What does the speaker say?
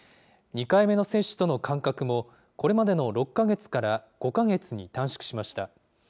２回目の接種との間隔も、これまでの６か月から５か月に短縮しました。